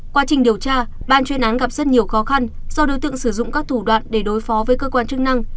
quá trình điều tra ban chuyên án gặp rất nhiều khó khăn do đối tượng sử dụng các thủ đoạn để đối phó với cơ quan chức năng